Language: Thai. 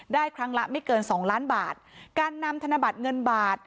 ครั้งละไม่เกินสองล้านบาทการนำธนบัตรเงินบาท